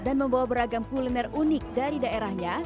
dan membawa beragam kuliner unik dari daerahnya